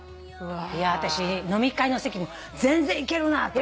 私飲み会の席も全然行けるなと。